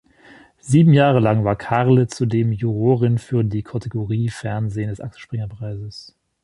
Sieben Jahre lang war Karle zudem Jurorin für die Kategorie Fernsehen des Axel-Springer-Preises.